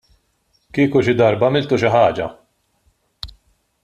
Kieku xi darba għamiltu xi ħaġa!